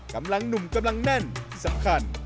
กำลังหนุ่มกำลังแน่นสำคัญ